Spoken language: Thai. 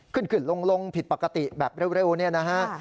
ขึ้นขึ้นลงผิดปกติแบบเร็วเนี่ยนะฮะ